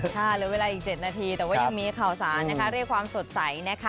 หลีบเวลาอีก๗นาทีแต่ยังมีข่าวสารเรียกว่าความสดใส